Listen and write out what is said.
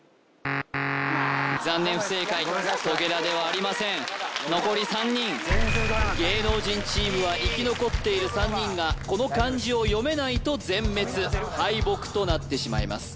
残念不正解トゲラではありませんごめんなさい残り３人芸能人チームは生き残っている３人がこの漢字を読めないと全滅敗北となってしまいます